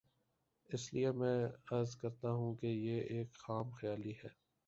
اس لیے میں عرض کرتا ہوں کہ یہ ایک خام خیالی ہے۔